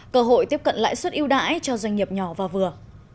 cơ hội tiếp cận lãi suất yêu đãi cho doanh nghiệp nhỏ và vừa